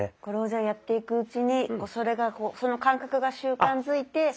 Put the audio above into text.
これをじゃあやっていくうちにその感覚が習慣づいて。